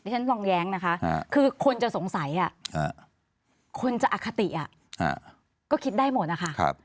ฉันลองแย้งนะคะคือคนจะสงสัยคนจะอคติก็คิดได้หมดนะคะ